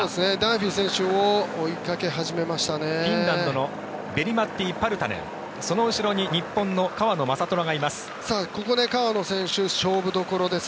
フィンランドのベリ・マッティ・パルタネンその後ろに日本の川野将虎がいます。